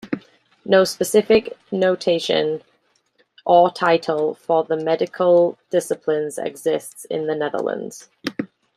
No specific notation or title for the medical disciplines exists in the Netherlands.